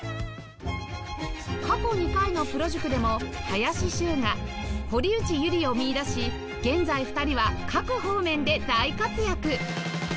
過去２回のプロ塾でも林周雅堀内優里を見いだし現在２人は各方面で大活躍！